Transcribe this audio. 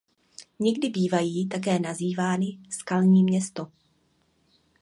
Někdy bývají také nazývány Skalní město.